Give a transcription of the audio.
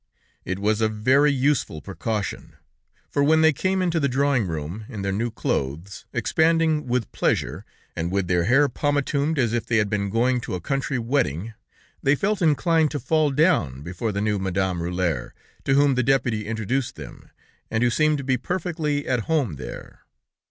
It was a very useful precaution, for when they came into the drawing room in their new clothes, expanding with pleasure, and with their hair pomatumed as if they had been going to a country wedding, they felt inclined to fall down before the new Madame Rulhière to whom the deputy introduced them, and who seemed to be perfectly at home there.